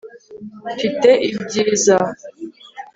Mfite ibyiza